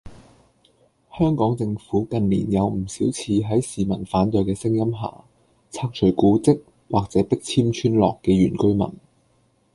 香港政府近年有唔少次喺市民反對嘅聲音下，拆除古蹟或者迫遷村落嘅原居民